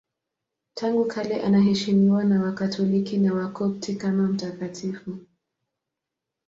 Tangu kale anaheshimiwa na Wakatoliki na Wakopti kama mtakatifu.